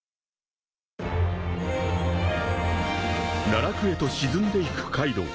［奈落へと沈んでいくカイドウ］